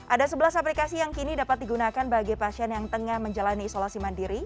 ada sebelas aplikasi yang kini dapat digunakan bagi pasien yang tengah menjalani isolasi mandiri